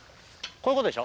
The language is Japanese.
こういうことでしょ。